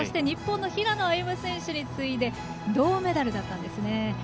日本の平野歩夢選手に次いで銅メダルだったんですね。